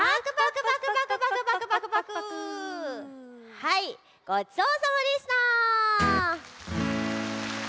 はいごちそうさまでした！